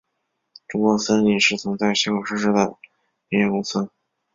中国森林是曾在香港上市的林业公司。